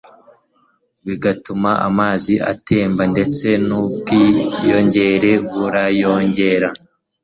bigatuma amazi atemba ndetse n'ubwiyongere buriyongera